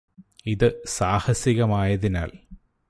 ഇത് സാഹസികമായതിനാല്